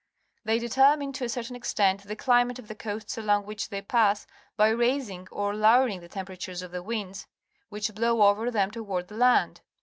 The}^ determine, to a certain ex tent, the climate of the coasts along which they pass, by raising or~loweringTIie tem peratures of the winds which blow over them toward the land.